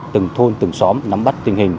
từng thôn từng xóm nắm bắt tình hình